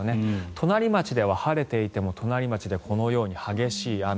隣町では晴れていても隣町でこのように激しい雨。